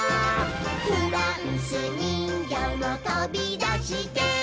「フランスにんぎょうもとびだして」